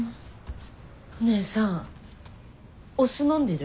お姉さんお酢飲んでる？